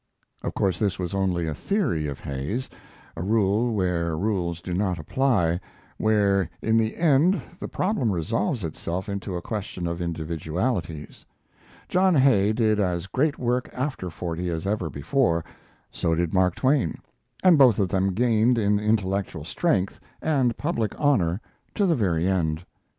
Of course this was only a theory of Hay's, a rule where rules do not apply, where in the end the problem resolves itself into a question of individualities. John Hay did as great work after forty as ever before, so did Mark Twain, and both of them gained in intellectual strength and public honor to the very end.